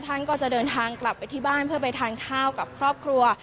ท่านก็จะเดินทางกลับไปที่บ้านเพื่อไปทานข้าวกับครอบครัว